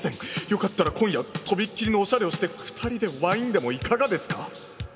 よかったら今夜とびっきりのおしゃれをして二人でワインでもいかがですか？」。